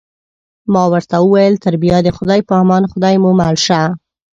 ما ورته وویل: تر بیا د خدای په امان، خدای مو مل شه.